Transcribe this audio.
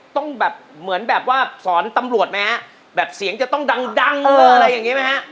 ต้องแบบเหมือนแบบว่าสอนตำรวจไหมฮะแบบเสียงจะต้องดังดังอะไรอย่างนี้ไหมฮะ